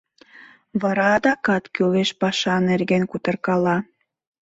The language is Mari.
Вара адакат кӱлеш паша нерген кутыркала.